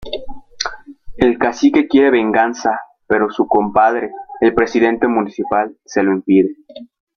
El cacique quiere venganza pero su compadre, el presidente municipal, se lo impide.